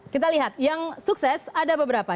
kita lihat yang sukses ada beberapa